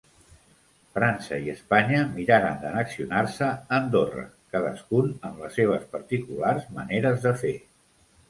França i Espanya miraren d'annexionar-se Andorra cadascun amb les seves particulars maneres de fer.